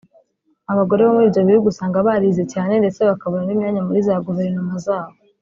Abagore bo muri ibyo bihugu usanga barize cyane ndetse bakabona n’imyanya muri za guverinoma zaho